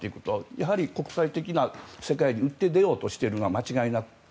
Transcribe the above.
やはり国際的な世界に打って出ようとしているのは間違いなくて。